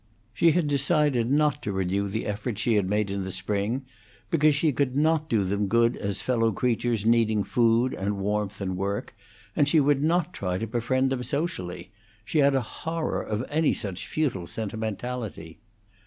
She had decided not to renew the effort she had made in the spring; because she could not do them good as fellow creatures needing food and warmth and work, and she would not try to befriend them socially; she had a horror of any such futile sentimentality.